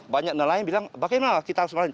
banyak nelayan bilang bagaimana kita harus melayani